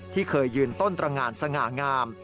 ที่เคยยืนต้นตรงานสง่างาม